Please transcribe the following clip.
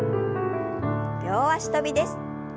両脚跳びです。